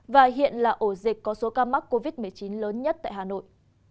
và hiện là ổ dịch có số ca mắc covid một mươi chín lớn nhất tại hà nội